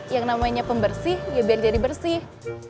yang namanya pembersih ya biar jadi bersih